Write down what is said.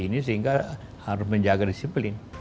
ini sehingga harus menjaga disiplin